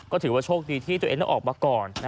ก็ถือว่าโชคดีที่ตัวเองต้องออกมาก่อน